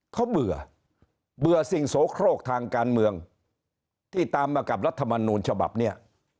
เขาเบื่อเบื่อสิ่งโสโครกทางการเมืองที่ตามมากับรัฐมนูลฉบับนี้